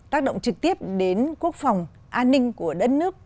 tác động trực tiếp đến quốc phòng an ninh của đất nước